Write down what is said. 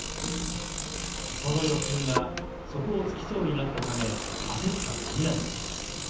その預金が底をつきそうになったため焦った森永さん。